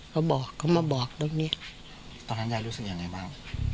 เขาบอกเขามาบอกตรงนี้ตอนนั้นยายรู้สึกยังไงบ้าง